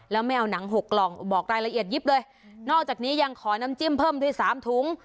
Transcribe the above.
แล้วไม่เอาหนังหกกล่องบอกรายละเอียดยิบเลยนอกจากนี้ยังขอน้ำจิ้มเพิ่มด้วยสามถุง